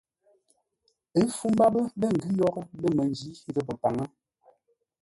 Ə́ fú mbápə́ lə̂ ngʉ́ yórə́ lə̂ məndǐ ghəpə́-paŋə́.